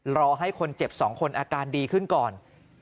รอให้คนเจ็บ๒คนอาการดีขึ้นก่อน